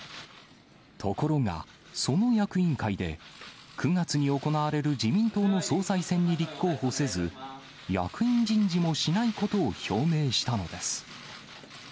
ところがその役員会で、９月に行われる自民党の総裁選に立候補せず、役員人事もしないことを表明したのです。